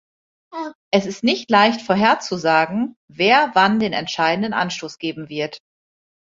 Es ist nicht leicht vorherzusagen, wer wann den entscheidenden Anstoß geben wird.